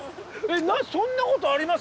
そんなことあります？